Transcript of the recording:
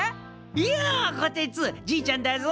ようこてつじいちゃんだぞ。